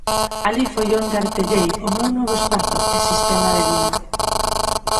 Alí foi onde artellei o meu novo espazo e sistema de vida.